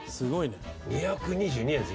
２２２円です